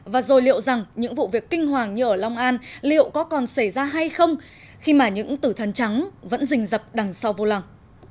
và rồi liệu rằng những vụ việc kinh hoàng như ở long an liệu có còn xảy ra hay không khi mà những tử thần trắng vẫn rình dập đằng sau vô lăng